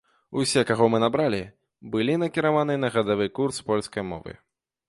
Усе, каго мы набралі, былі накіраваныя на гадавы курс польскай мовы.